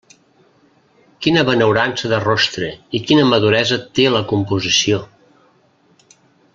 Quina benaurança de rostre, i quina maduresa té la composició.